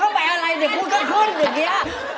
คือมันจะชอบฝักตัวทุกอย่าง